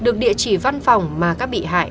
được địa chỉ văn phòng mà các bị hại